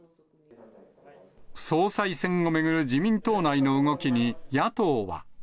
総裁選を巡る自民党内の動きに、野党は。